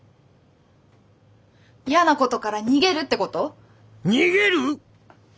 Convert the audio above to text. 嫌なことから逃げるってこと？